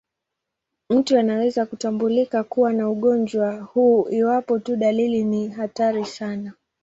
Mtu anaweza kutambulika kuwa na ugonjwa huu iwapo tu dalili ni hatari sana.